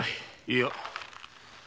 いや。